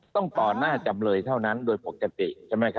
ต้องต่อหน้าทำเลยเท่านั้นโดยปกติ